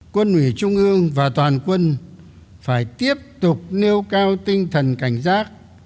quân ủy trung ương và toàn quân phải tiếp tục nêu cao tinh thần cảnh giác